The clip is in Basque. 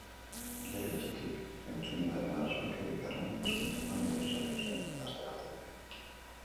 Jaiotzetik entzumenaren arazoak eduki arren, hizkuntzatan interesatu zen gazte-gaztetatik.